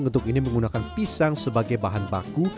bentuk ini menggunakan pisang sebagai bahan baku